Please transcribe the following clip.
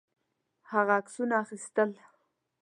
هغه عکسونه اخیستل.